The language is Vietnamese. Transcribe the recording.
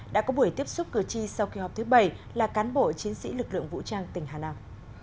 đã có buổi tiếp xúc cử tri sau kỳ họp thứ bảy là cán bộ chiến sĩ lực lượng vũ trang tỉnh hà nam